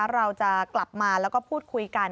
เราจะกลับมาแล้วก็พูดคุยกัน